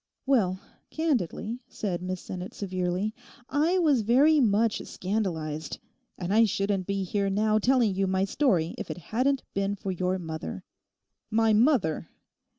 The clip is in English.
'Well, candidly,' said Miss Sinnett severely. 'I was very much scandalised; and I shouldn't be here now telling you my story if it hadn't been for your mother.' 'My mother!